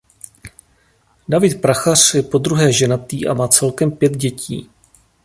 David Prachař je podruhé ženatý a má celkem pět dětí.